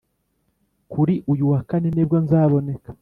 kuri uyu wa kane nibwo nzaboneka